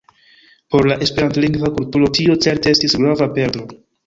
Por la Esperantlingva kulturo tio certe estis grava perdo.